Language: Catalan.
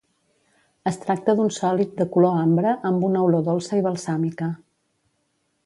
Es tracta d'un sòlid de color ambre amb una olor dolça i balsàmica.